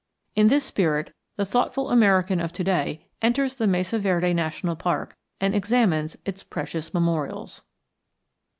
In this spirit the thoughtful American of to day enters the Mesa Verde National Park and examines its precious memorials.